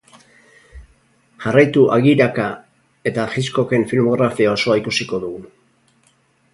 Jarraitu agiraka, eta Hitchcocken filmografia osoa ikusiko dugu.